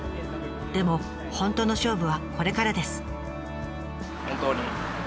でも本当の勝負はこれからです。